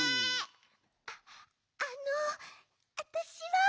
ああのあたしは。